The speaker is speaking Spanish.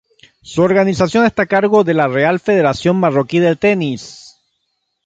Su organización está a cargo de la Real Federación Marroquí de Tenis.